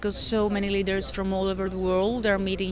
karena banyak pemimpin dari seluruh dunia mereka bertemu di sini